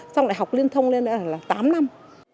xong lại học liên thông lên nữa là tám năm